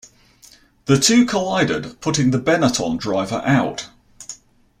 The two collided, putting the Benetton driver out.